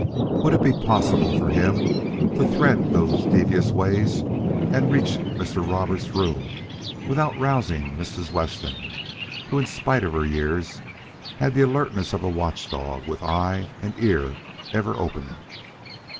Would it be possible for him to thread those devious ways and reach Mr. Roberts' room without rousing Mrs. Weston, who in spite of her years had the alertness of a watchdog with eye and ear ever open?